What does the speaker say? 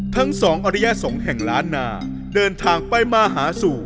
ทั้งสองอริยสงฆ์แห่งล้านนาเดินทางไปมาหาสู่